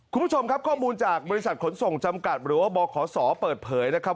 คุณผู้ชมครับข้อมูลจากบริษัทขนส่งจำกัดหรือว่าบขศเปิดเผยนะครับ